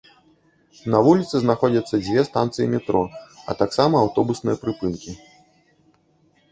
На вуліцы знаходзяцца дзве станцыі метро, а таксама аўтобусныя прыпынкі.